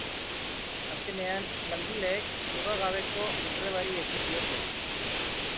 Azkenean, langileek mugagabeko grebari ekin diote.